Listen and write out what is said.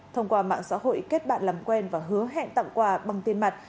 thông qua mạng xã hội kết bạn làm quen và hứa hẹn tặng quà bằng tiền mặt